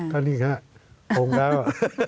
ค่ะนี่แหละโปร่งแล้ว